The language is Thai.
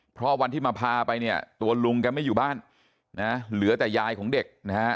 เพราะวันที่มาพาไปเนี่ยตัวลุงแกไม่อยู่บ้านนะเหลือแต่ยายของเด็กนะฮะ